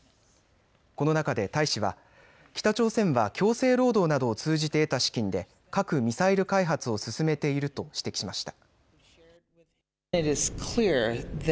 この中で大使は北朝鮮は強制労働などを通じて得た資金で核・ミサイル開発を進めていると指摘しました。